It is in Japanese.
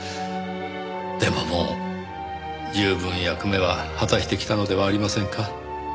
でももう十分役目は果たしてきたのではありませんか？